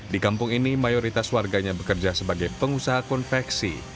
di kampung ini mayoritas warganya bekerja sebagai pengusaha konveksi